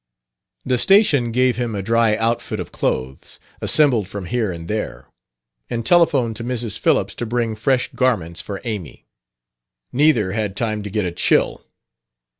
The station gave him a dry outfit of clothes, assembled from here and there, and telephoned to Mrs. Phillips to bring fresh garments for Amy. Neither had time to get a chill.